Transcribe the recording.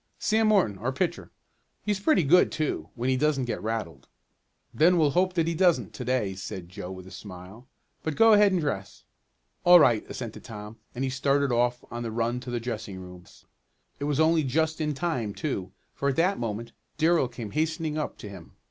"Sam Morton, our pitcher. He's pretty good too, when he doesn't get rattled." "Then we'll hope that he doesn't to day," said Joe with a smile. "But go ahead and dress." "All right," assented Tom, and he started off on a run to the dressing rooms. It was only just in time, too, for at that moment Darrell came hastening up to him.